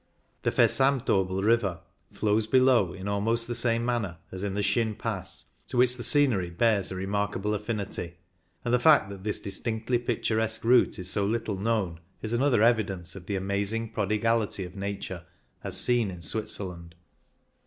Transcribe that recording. The Versamtobel River flows be low in almost the same manner as in the Schyn Pass, to which the scenery bears a remarkable affinity, and the fact that this distinctly picturesque route is so little known is another evidence of the amazing prodigality of nature as seen in Switzer land.